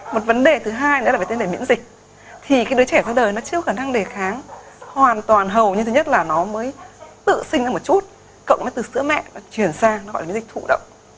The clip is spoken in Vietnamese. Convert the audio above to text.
một vấn đề thứ hai nữa là về vấn đề miễn dịch thì cái đứa trẻ qua đời nó chưa có khả năng đề kháng hoàn toàn hầu như thứ nhất là nó mới tự sinh ra một chút cộng với từ sữa mẹ nó chuyển sang nó gọi là dịch thụ động